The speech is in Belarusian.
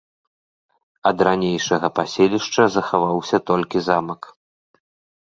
Ад ранейшага паселішча захаваўся толькі замак.